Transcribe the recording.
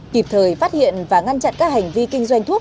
kịp thời phát hiện và ngăn chặn các hành vi kinh doanh thuốc